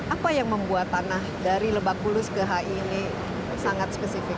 apa yang membuat tanah dari lebak bulus ke hi ini sangat spesifik